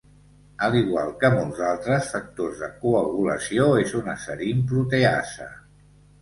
Al igual que molts altres factors de coagulació, és una serín proteasa.